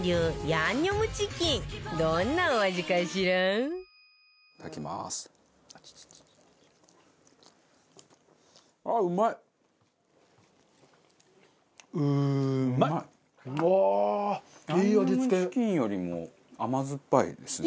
ヤンニョムチキンよりも甘酸っぱいですね。